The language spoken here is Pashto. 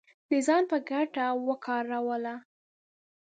د ځان په ګټه وکاروله